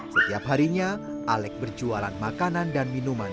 setiap harinya alec berjualan makanan dan minuman